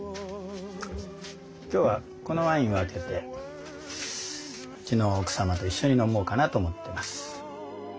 今日はこのワインを開けてうちの奥様と一緒に飲もうかなと思っています。